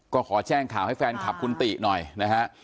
ก็ขอแจ้งข่าวให้แฟนคลับคุณติหน่อยนะฮะ